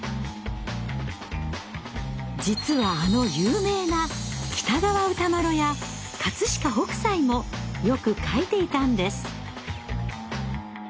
実はあの有名な喜多川歌麿や飾北斎もよく描いていたんです。